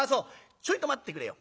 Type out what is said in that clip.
ちょいと待ってくれよ」。